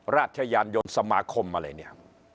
ราชญานยนต์สมาคมอะไรนี้